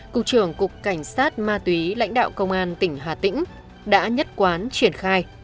cục trưởng cục cảnh sát ma túy lãnh đạo công an tỉnh hà tĩnh đã nhất quán triển khai